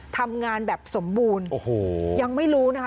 ทำงานแบบสมบูรณ์โอ้โหยังไม่รู้นะคะ